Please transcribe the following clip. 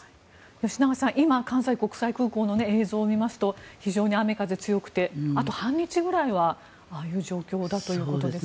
吉永さん、今関西国際空港の映像を見ますと非常に雨風強くてあと半日ぐらいはああいう状況だということです。